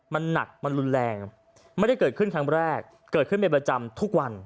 มันหนักมันรุนแรงไม่ได้เกิดขึ้นครั้งแรกเกิดขึ้นเป็นประจำทุกวัน